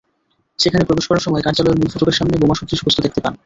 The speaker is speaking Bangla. সেখানে প্রবেশ করার সময় কার্যালয়ের মূল ফটকের সামনে বোমাসদৃশ বস্তু দেখতে পান।